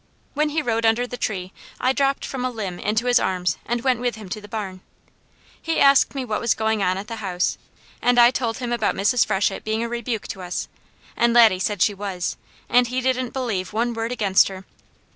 When he rode under the tree, I dropped from a limb into his arms, and went with him to the barn. He asked me what was going on at the house, and I told him about Mrs. Freshett being a rebuke to us; and Laddie said she was, and he didn't believe one word against her.